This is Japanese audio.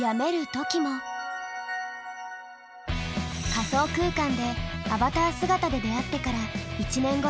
仮想空間でアバター姿で出会ってから１年後の去年。